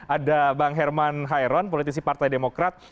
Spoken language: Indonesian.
ada bang herman hairon politisi partai demokrat